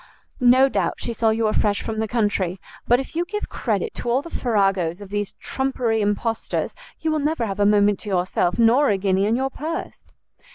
no doubt she saw you were fresh from the country! But if you give credit to all the farragos of these trumpery impostors, you will never have a moment to yourself, nor a guinea in your purse."